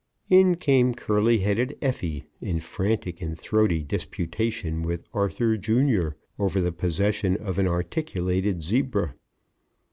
In came curly headed Effie in frantic and throaty disputation with Arthur, Jr., over the possession of an articulated zebra.